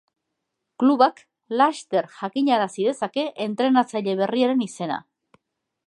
Klubak laster jakinarazi dezake entrenatzaile berriaren izena.